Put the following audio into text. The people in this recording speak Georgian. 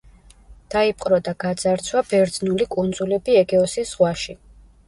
დაიპყრო და გაძარცვა ბერძნული კუნძულები ეგეოსის ზღვაში.